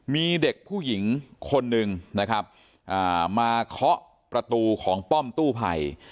มีเด็กผู้หญิงคนหนึ่งนะครับมาเคาะประตูของป้อมกู้ภัย